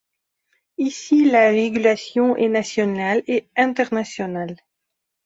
Ici la régulation est nationale et internationale.